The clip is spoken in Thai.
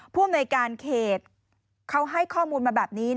ผู้อำนวยการเขตเขาให้ข้อมูลมาแบบนี้